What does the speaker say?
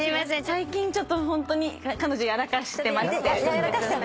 最近ちょっとホントに彼女やらかしてまして。